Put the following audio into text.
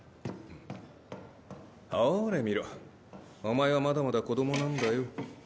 ほれ見ろお前はまだまだ子どもなんだよ。